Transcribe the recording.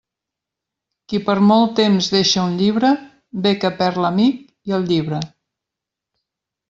Qui per molt temps deixa un llibre, ve que perd l'amic i el llibre.